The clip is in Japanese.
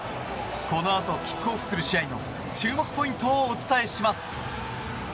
このあとキックオフする試合の注目ポイントをお伝えします。